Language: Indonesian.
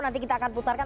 nanti kita akan putarkan